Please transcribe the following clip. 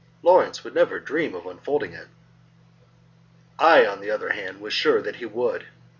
Lawrence would never dream of unfolding it." I, on the other hand, was sure that he would.